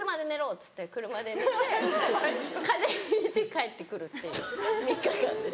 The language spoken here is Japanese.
っつって車で寝て風邪ひいて帰ってくるっていう３日間です。